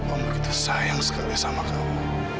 om begitu sayang sekali sama kamu